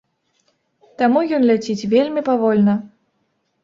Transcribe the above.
Таму ён ляціць вельмі павольна.